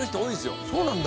そうなんだ。